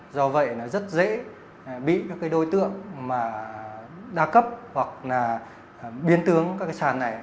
do vậy rất dễ bị đối tượng đa cấp hoặc biên tướng các sàn này